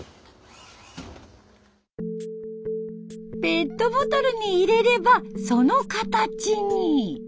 ペットボトルに入れればその形に。